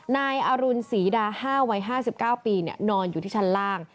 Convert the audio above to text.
นายอรุณศรีดา๕วัย๕๙ปีนอนอยู่ที่ชั้นล่าง